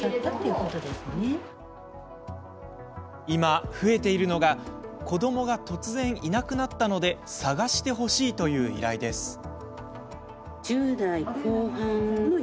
今、増えているのが子どもが突然いなくなったので捜してほしいという依頼です。